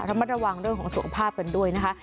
ระมัดระวังเรื่องของสุขภาพกันด้วยนะคะ